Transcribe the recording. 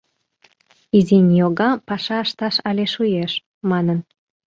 «Изи ньога паша ышташ але шуэш», — манын.